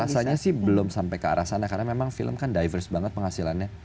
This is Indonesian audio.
rasanya sih belum sampai ke arah sana karena memang film kan diverse banget penghasilannya